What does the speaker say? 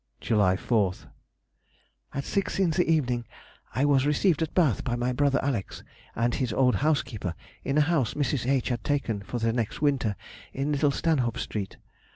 July 4th.—At six in the evening I was received at Bath by my brother Alex. and his old housekeeper in a house Mrs. H. had taken for the next winter in Little Stanhope Street.